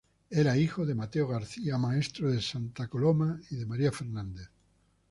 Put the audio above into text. Era hijo de Mateo García, maestro de Santa Coloma, y de María Fernández.